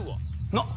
なっ！